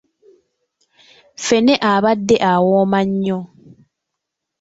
Ffene abadde awooma nnyo.